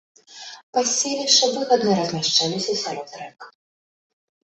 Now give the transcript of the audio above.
Паселішча выгадна размяшчалася сярод рэк.